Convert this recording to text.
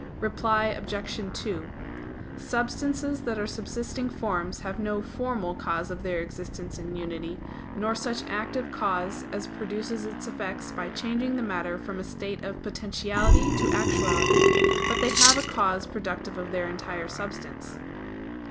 Reply Obj. 2: Substances that are subsisting forms have no 'formal' cause of their existence and unity, nor such active cause as produces its effect by changing the matter from a state of potentiality to actuality; but they have a cause productive of their entire substance.